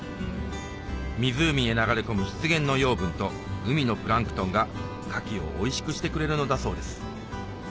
湖へ流れ込む湿原の養分と海のプランクトンがカキをおいしくしてくれるのだそうです